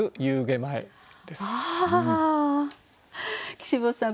岸本さん